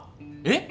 えっ？